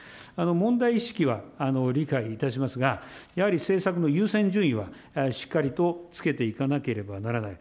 問題意識は理解いたしますが、やはり政策の優先順位はしっかりとつけていかなければならない。